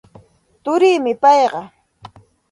Turiimi payqa.